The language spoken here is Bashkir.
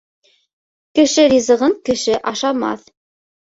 Кеше ризығын кеше ашамаҫ.